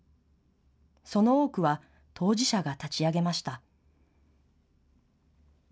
その多くは当事者が立ち上げました。